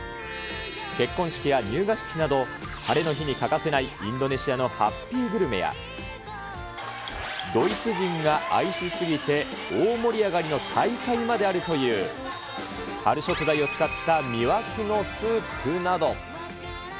結婚式や入学式など、晴れの日に欠かせないインドネシアのハッピーグルメや、ドイツ人が愛し過ぎて、大盛り上がりの大会まであるという、春食材を使った魅惑のスープなど。